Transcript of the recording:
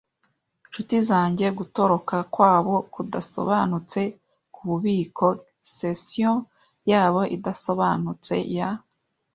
nshuti zanjye, gutoroka kwabo kudasobanutse kububiko, cession yabo idasobanutse ya